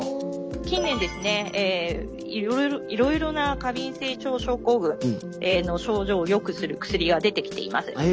近年ですねいろいろな過敏性腸症候群の症状をよくする薬が出てきています。